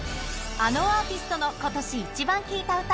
あのアーティストの今年イチバン聴いた歌。